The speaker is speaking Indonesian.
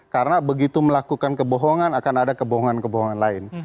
karena begitu melakukan kebohongan akan ada kebohongan kebohongan lain